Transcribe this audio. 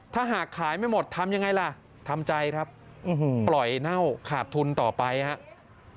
ถ้าหากขายไม่หมดทำยังไงล่ะทำใจครับปล่อยเน่าขาดทุนต่อไปครับ